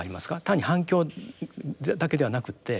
他に反共だけではなくって。